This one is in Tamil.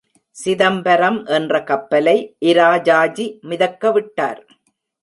சிதம்பரம் என்ற கப்பலை இராஜாஜி மிதக்க விட்டார்.